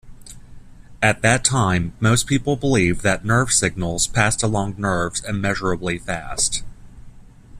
At that time most people believed that nerve signals passed along nerves immeasurably fast.